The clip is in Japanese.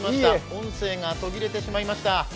音声が途切れてしまいました。